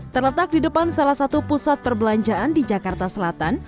terletak di depan salah satu pusat perbelanjaan di jakarta selatan